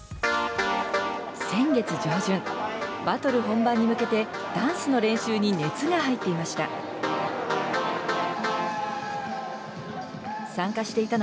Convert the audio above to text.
先月上旬、バトル本番に向けて、ダンスの練習に熱が入っていました。